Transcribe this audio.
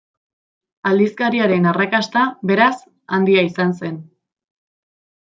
Aldizkariaren arrakasta, beraz, handia izan zen.